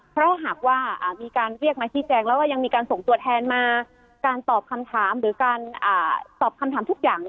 เพราะหากว่ามีการเรียกมาชี้แจงแล้วก็ยังมีการส่งตัวแทนมาการตอบคำถามหรือการตอบคำถามทุกอย่าง